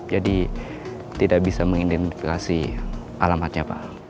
jadi tidak bisa mengidentifikasi alamatnya pak